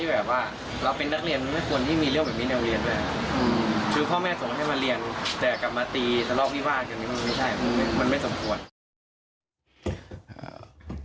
เห็นแล้วรู้สึกยังไงบ้าง